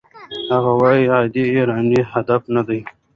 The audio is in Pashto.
هغه وویل عادي ایرانیان هدف نه دي.